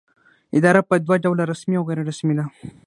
اداره په دوه ډوله رسمي او غیر رسمي ده.